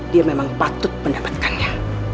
dia memang patut mendapatkannya